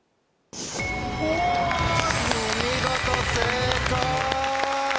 お見事正解！